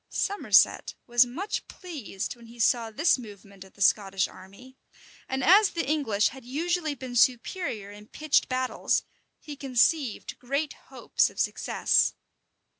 Somerset was much pleased when he saw this movement of the Scottish army; and as the English had usually been superior in pitched battles, he conceived great hopes of success.